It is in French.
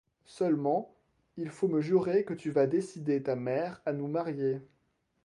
Seulement, il faut me jurer que tu vas décider ta mère à nous marier.